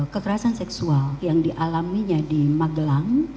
kekerasan seksual yang dialaminya di magelang